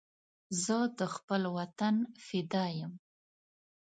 زه د خپل وطن فدا یم